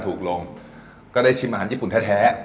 ถูกลงก็ได้ชิมอาหารญี่ปุ่นแท้